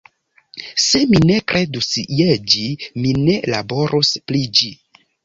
Se mi ne kredus je ĝi, mi ne laborus pri ĝi.